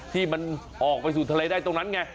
ที่มันออกไปสู่ทะเลได้ตรงนั้นไง